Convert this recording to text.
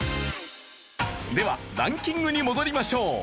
ではランキングに戻りましょう。